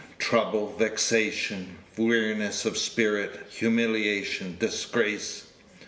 Trouble, vexation, weariness of spirit, humiliation, disgrace?